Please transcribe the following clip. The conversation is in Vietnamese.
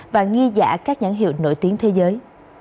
và nghi giả các nhãn hiệu nổi tiếng thế giới